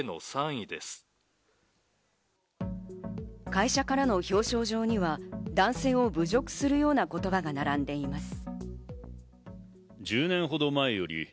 会社からの表彰状には、男性を侮辱するような言葉が並んでいます。